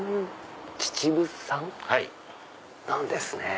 秩父産なんですね。